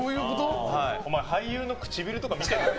お前俳優の唇とか見てるの。